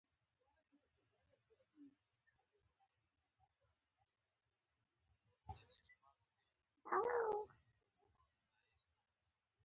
هیلې مې د وخت تر خاورو لاندې ښخې شوې.